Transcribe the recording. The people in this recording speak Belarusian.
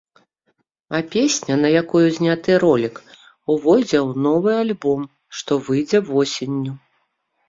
А песня, на якую зняты ролік, увойдзе ў новы альбом, што выйдзе восенню.